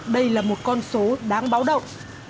đây là một con số đáng báo động